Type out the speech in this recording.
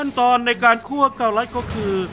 ขั้นตอนในการคั่วเกาหลักก็คือ